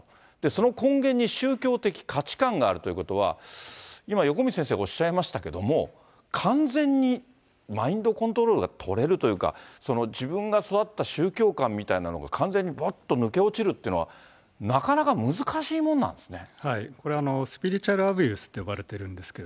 その根源に宗教的価値観があるということは、今、横道先生がおっしゃいましたけれども、完全にマインドコントロールが取れるというか、自分が育った宗教観みたいなのが完全にぼっと抜け落ちるっていうのは、なかなか難しいものなんですね。